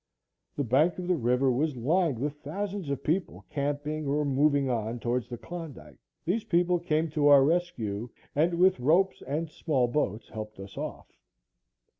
The bank of the river was lined with thousands of people camping or moving on towards the Klondike. These people came to our rescue and with ropes and small boats helped us off.